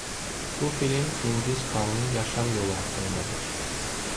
Bu film Çingiz xanın yaşam yolu haqqındadır.